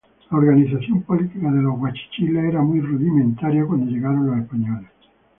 La organización política de los guachichiles era muy rudimentaria al llegar los españoles.